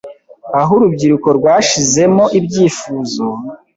Aho Urubyiruko rwashizemo ibyifuzo